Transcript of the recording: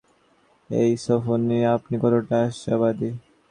এই সফর নিয়ে আপনি কতটা আশাবাদী?